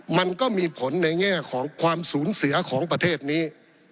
มันก็มีผลในแง่ของความสูญเสียของประเทศนี้